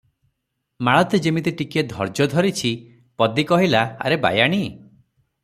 ମାଳତୀ ଯିମିତି ଟିକିଏ ଧୈର୍ଯ୍ୟ ଧରିଛି, ପଦୀ କହିଲା, "ଆରେ ବାୟାଣୀ!